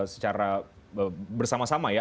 secara bersama sama ya